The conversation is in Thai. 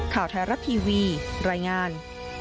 ข่าวเทราทีวีรายงาน